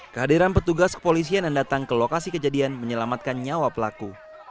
kehadiran petugas kepolisian yang datang ke lokasi kejadian menyelamatkan nyawa pelaku